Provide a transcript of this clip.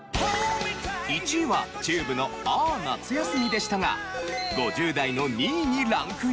１位はＴＵＢＥの『あ夏休み』でしたが５０代の２位にランクインしたのが。